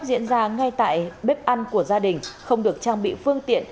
gà trái phép diễn ra ngay tại bếp ăn của gia đình không được trang bị phương tiện